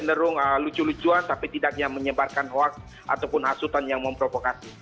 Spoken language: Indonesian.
ini cenderung lucu lucuan tapi tidak menyebarkan hoax ataupun hasutan yang memprovokasi